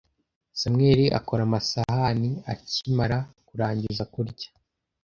Samuel akora amasahani akimara kurangiza kurya.